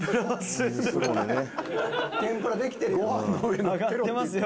天ぷらできてるよ。